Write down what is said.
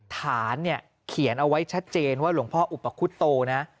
ฐานเนี่ยเขียนเอาไว้ชัดเจนว่าหลวงพ่ออุปคุตโตนะ